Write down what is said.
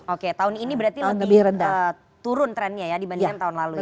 oke tahun ini berarti lebih turun trennya ya dibandingkan tahun lalu ya